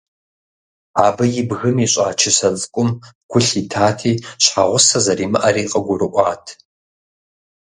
Абы и бгым ищӀа чысэ цӀыкӀум гу лъитати, щхьэгъусэ зэримыӀэри къыгурыӀуат.